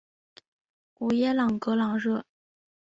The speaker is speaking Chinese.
吉耶朗格朗热。